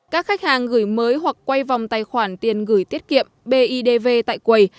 các khách hàng gửi mới hoặc quay vòng tài khoản tiền gửi tiết kiệm bidv tại quầy